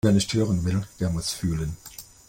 Wer nicht hören will, der muss fühlen.